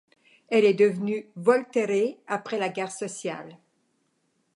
Elle est devenue Volterrae après la guerre sociale.